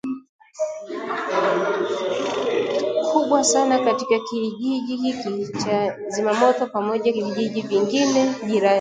kubwa sana katika kijiji hiki cha Zimamoto pamoja vijiji vingine jirani